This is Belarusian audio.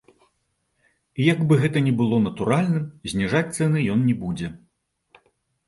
І як бы гэта ні было натуральным, зніжаць цэны ён не будзе.